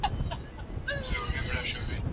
ټولنیز نظم تر ګډوډۍ ډیر ارزښت لري.